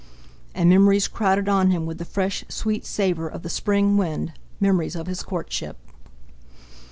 And memories crowded on him with the fresh, sweet savour of the spring wind—memories of his courtship.